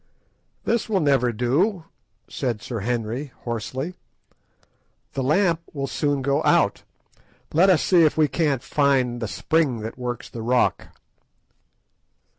"This will never do," said Sir Henry hoarsely; "the lamp will soon go out. Let us see if we can't find the spring that works the rock."